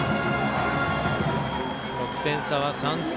得点差は３点。